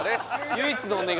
唯一のお願い